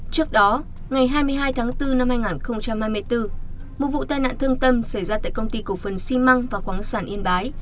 trước đó ngày hai mươi hai tháng bốn năm hai nghìn hai mươi bốn một vụ tai nạn thương tâm xảy ra tại công ty cổ phần xi măng và khoáng sản yên bái